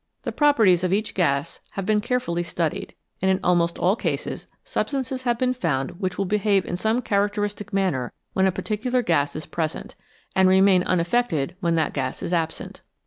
The properties of each gas have been carefully studied, and in almost all cases substances have been found which will behave in some characteristic manner when a particular gas is present, and remain unaffected when that gas is absent.